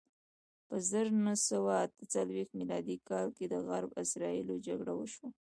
په زر نه سوه اته څلویښت میلادي کال کې د عرب اسراییلو جګړه وشوه.